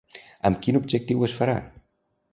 Amb quin objectiu es farà?